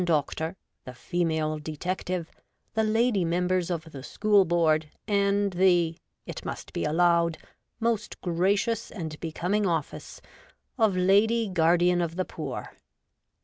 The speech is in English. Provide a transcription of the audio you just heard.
3 Doctor ; the Female Detective ; the Lady Members of the School Board ; and the (it must be allowed) most gracious and becoming office of Lady Guardian of the Poor.